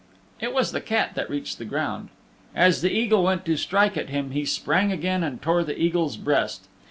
It was the Cat that reached the ground. As the Eagle went to strike at him he sprang again and tore the Eagle's breast.